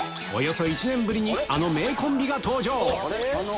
およそ１年ぶりにあの名コンビが登場！